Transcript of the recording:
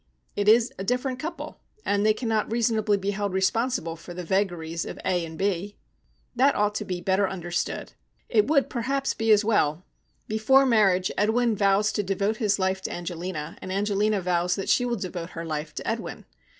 It is a different couple, and they cannot reasonably be held responsible for the vagaries of A and B." "That ought to be better understood." "It would perhaps be as well. Before marriage Edwin vows to devote his life to Angelina, and Angelina vows she will devote her life to Edwin.